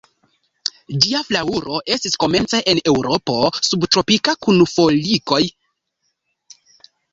Ĝia flaŭro estis komence en Eŭropo subtropika kun filikoj, palmoj, tropikaj plantoj.